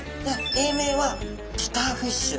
英名はギターフィッシュ。